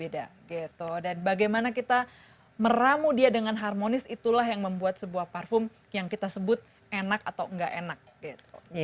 dan bagaimana kita meramu dia dengan harmonis itulah yang membuat sebuah parfum yang kita sebut enak atau gak enak gitu